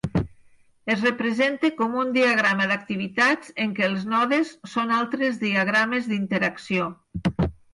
Es representa com un diagrama d'activitats en què els nodes són altres diagrames d'interacció.